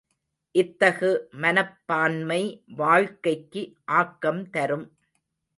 இத்தகு மனப்பான்மை வாழ்க்கைக்கு ஆக்கம் தரும்.